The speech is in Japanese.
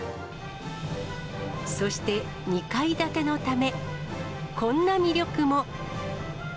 そして、２階建てのため、こんな魅力も。